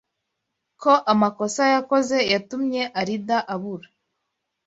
ko amakosa yakoze yatumye Alida abura